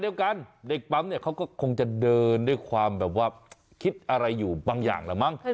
เดียวกันเด็กปั๊มเนี่ยเขาก็คงจะเดินด้วยความแบบว่าคิดอะไรอยู่บางอย่างละมั้ง